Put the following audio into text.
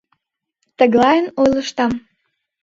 — Тыглайын ойлыштам.